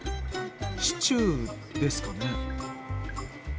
シチューですかね？